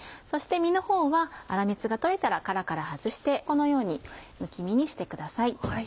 そして身のほうは粗熱が取れたら殻から外してこのようにむき身にしてください。